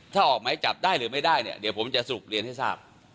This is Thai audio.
ถ้าออกไม้จับได้หรือไม่ได้เนี่ยเดี๋ยวผมจะสรุปเรียนให้ทราบ